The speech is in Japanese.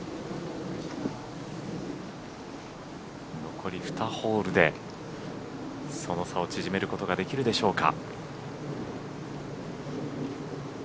残り２ホールでその差を縮めることができるでしょうか。